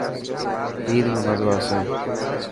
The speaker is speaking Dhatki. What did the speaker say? عيد ۾ مزو آسي.